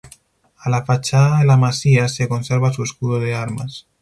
A la fachada de la masía se conserva su escudo de armas.